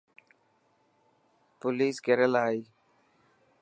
پوليس ڪير يلا آي.